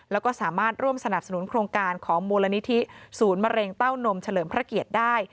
แล้วก็สามารถร่วมสนับสนุนโครงการของมูลนิธิศูนย์มะเร็งเต้านมเฉลิมพระเกียรติได้